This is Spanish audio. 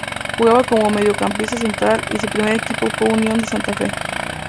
Jugaba como mediocampista central y su primer equipo fue Unión de Santa Fe.